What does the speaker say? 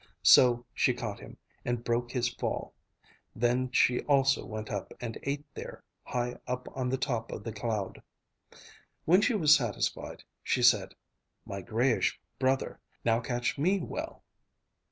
So she caught him, and broke his fall. Then she also went up and ate there, high up on the top of the cloud. When she was satisfied, she said, "My greyish brother, now catch me well."